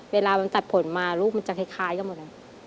เวลามันตัดผลมารูปมันจะคล้ายกันหมด